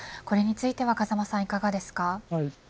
これについてはいかがですか。